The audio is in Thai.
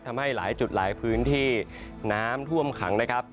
ทำให้หลายจุดหลายพื้นที่น้ำท่วมขังนะครับ